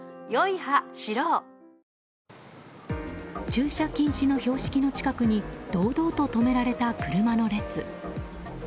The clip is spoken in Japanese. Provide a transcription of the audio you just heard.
駐車禁止の標識の近くに堂々と止められた車の列。